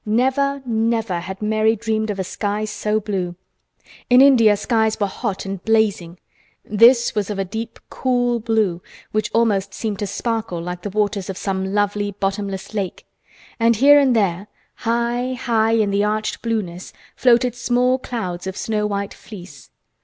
Never, never had Mary dreamed of a sky so blue. In India skies were hot and blazing; this was of a deep cool blue which almost seemed to sparkle like the waters of some lovely bottomless lake, and here and there, high, high in the arched blueness floated small clouds of snow white fleece.